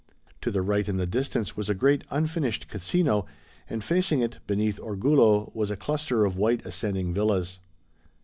To the right in the distance was a great unfinished casino, and facing it, beneath Orgullo, was a cluster of white ascending villas.